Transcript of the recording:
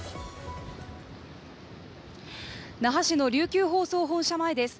那覇市の琉球放送本社前です。